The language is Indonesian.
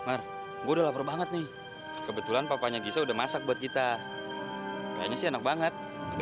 margo lapar banget nih kebetulan papanya bisa udah masak buat kita kayaknya sih enak banget